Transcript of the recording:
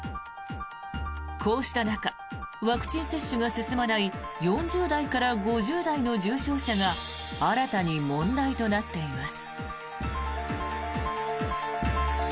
こうした中ワクチン接種が進まない４０代から５０代の重症者が新たに問題となっています。